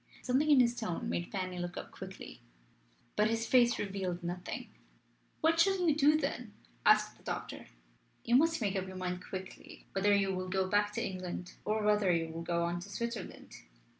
Something in his tone made Fanny look up quickly. But his face revealed nothing. "What shall you do then?" asked the doctor. "You must make up your mind quickly whether you will go back to England or whether you will go on to Switzerland.